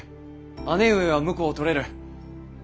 姉上は婿を取れる。